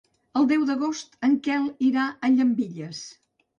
El deu d'agost en Quel irà a Llambilles.